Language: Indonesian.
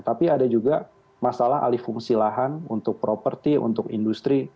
tapi ada juga masalah alih fungsi lahan untuk properti untuk industri